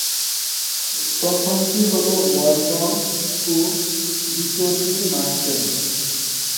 প্রথমটি হলো ওয়ালটন ও দ্বিতীয়টি মার্সেল।